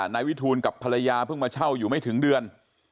นายวิทูลกับภรรยาเพิ่งมาเช่าอยู่ไม่ถึงเดือน